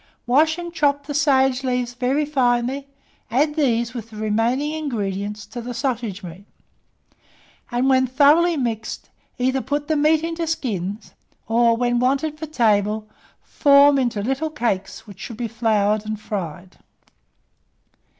Wash and chop the sage leaves very finely; add these with the remaining ingredients to the sausage meat, and when thoroughly mixed, either put the meat into skins, or, when wanted for table, form it into little cakes, which should be floured and fried.